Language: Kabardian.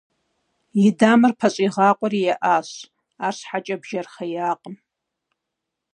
И дамэр пэщӀигъакъуэри еӀащ, арщхьэкӀэ бжэр хъеякъым.